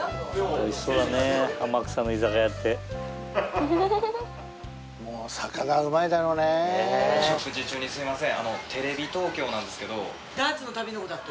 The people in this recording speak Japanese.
お食事中にすみません。